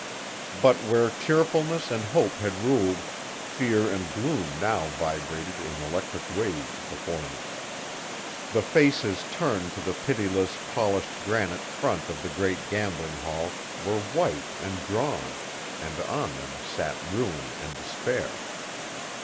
But where cheerfulness and hope had ruled, fear and gloom now vibrated in electric waves before me. The faces turned to the pitiless, polished granite front of the great gambling hall were white and drawn, and on them sat Ruin and Despair.